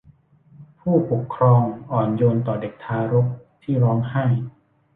ผู้ปกครองอ่อนโยนต่อเด็กทารกที่ร้องไห้